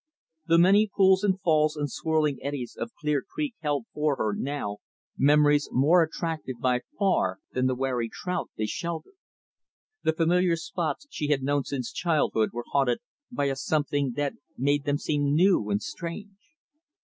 The many pools and falls and swirling eddies of Clear Creek held for her, now, memories more attractive, by far, than the wary trout they sheltered. The familiar spots she had known since childhood were haunted by a something that made them seem new and strange.